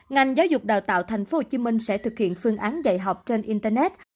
ngành giáo dục đào tạo tp hcm sẽ thực hiện phương án dạy học trên internet